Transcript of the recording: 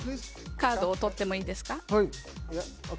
カードを取ってもいいですか。